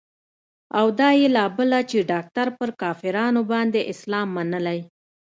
او دا يې لا بله چې ډاکتر پر کافرانو باندې اسلام منلى.